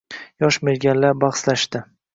Yosh merganlar bahslashding